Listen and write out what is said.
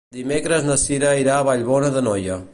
Dimecres na Cira irà a Vallbona d'Anoia.